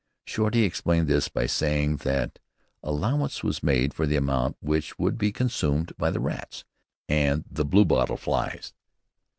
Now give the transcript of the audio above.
Shorty explained this by saying that allowance was made for the amount which would be consumed by the rats and the blue bottle flies.